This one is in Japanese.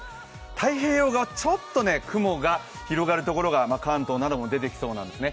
太平洋側ちょっと雲が広がるところが関東など出てきそうなんですね。